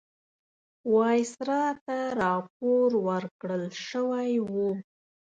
وایسرا ته راپور ورکړل شوی وو.